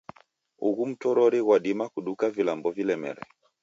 Ughu mtorori ghwadima kuduka vilambo vilemere.